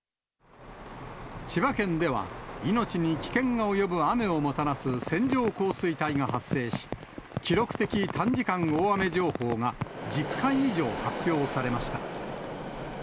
千葉県では、命に危険が及ぶ雨をもたらす線状降水帯が発生し、記録的短時間大雨情報が１０回以上発表されました。